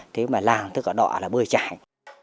thế mà làng tất cả đó là bơi chạy